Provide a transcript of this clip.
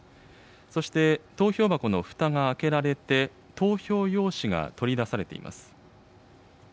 そして、投票箱のふたが開けられて、投票用紙が取り出されています。